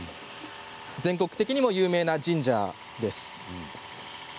全国的にも有名な神社です。